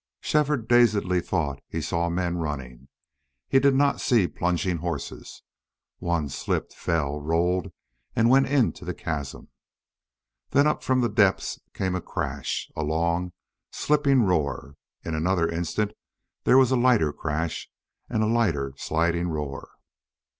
Shefford dazedly thought he saw men running. He did see plunging horses. One slipped, fell, rolled, and went into the chasm. Then up from the depths came a crash, a long, slipping roar. In another instant there was a lighter crash and a lighter sliding roar.